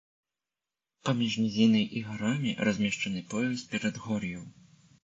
Паміж нізінай і гарамі размешчаны пояс перадгор'яў.